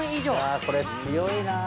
「これ強いなあ」